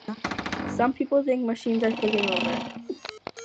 Some people think machines are taking over.